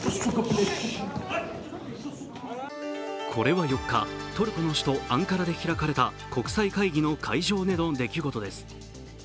これは４日、トルコの首都アンカラで開かれた国際会議の会場での出来事です。